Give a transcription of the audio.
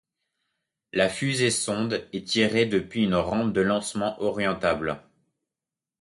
La fusée-sonde est tirée depuis une rampe de lancement orientable.